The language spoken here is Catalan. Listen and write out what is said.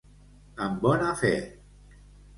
Amb bona fe.